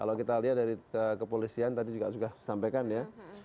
kalau kita lihat dari kepolisian tadi juga sudah sampaikan ya